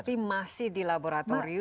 tapi masih di laboratorium